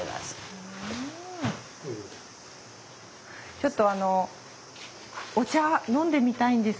ちょっとあのお茶飲んでみたいんですけど。